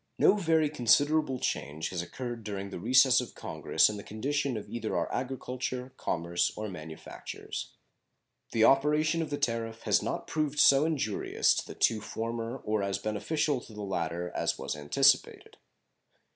No very considerable change has occurred during the recess of Congress in the condition of either our agriculture, commerce, or manufactures. The operation of the tariff has not proved so injurious to the two former or as beneficial to the latter as was anticipated.